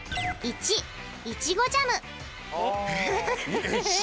えっいちごジャム？